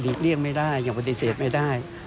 หลีกเลี่ยงไม่ได้อย่างวัฒนิเศษไม่ได้